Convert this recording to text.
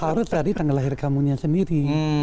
harus dari tanggal lahir kamunya sendiri